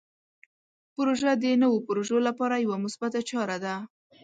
پروژه د نوو پروژو لپاره یوه مثبته چاره ده.